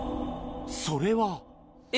それは。え？